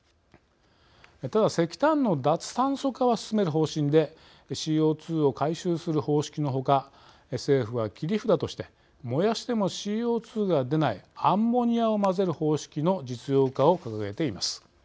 ただ石炭の脱炭素化は進める方針でＣＯ２を回収する方式のほか政府は切り札として燃やしてもＣＯ２が出ないアンモニアを混ぜる方式の実用化を掲げています。